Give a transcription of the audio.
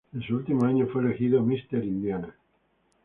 En su último año fue elegido "Indiana Mr.